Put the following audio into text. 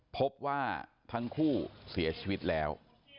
พบว่าทั้งคู่เสียชีวิตแล้ว